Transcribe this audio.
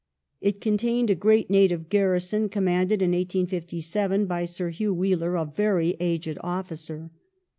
It contained a great native garrison, commanded in 1857 by Sir Hugh Wheeler, a very aged officer.